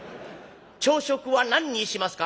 「朝食は何にしますか？」。